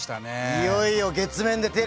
いよいよ月面でテレビが。